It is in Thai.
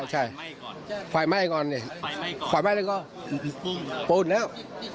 ใช่ไฟไหม้ก่อนเนี่ยไฟไหม้แล้วก็ปุ่นแล้ว